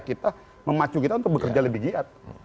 kita memacu kita untuk bekerja lebih jihad